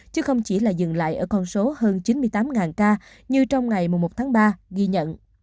chứ không chỉ là dừng lại ở con số hơn chín mươi tám ca như trong ngày một tháng ba ghi nhận